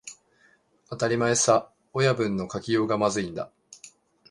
当たり前さ、親分の書きようがまずいんだ